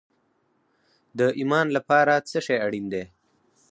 د ایمان لپاره څه شی اړین دی؟